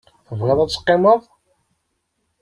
Tebɣiḍ ad teqqimeḍ?